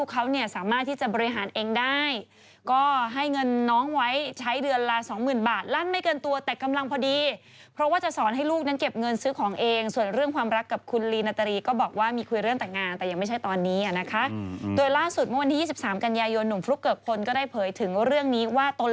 คุณประดับก็อย่างที่บอกนะครับอยู่ที่เกาหลีกำลังจะกลับไปนี้